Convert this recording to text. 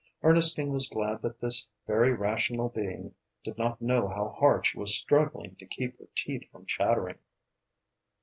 Ernestine was glad that this very rational being did not know how hard she was struggling to keep her teeth from chattering.